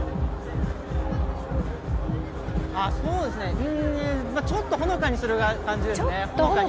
あ、そうですね、ちょっとほのかにする感じですね。